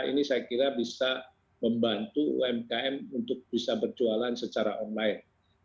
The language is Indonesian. ini saya kira bisa membantu umkm untuk bisa berjualan secara online